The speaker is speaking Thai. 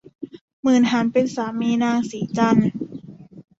หมื่นหาญเป็นสามีนางสีจันทร์